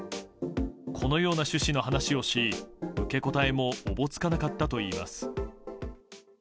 このような趣旨の話をし受け答えもおぼつかなかったといいます。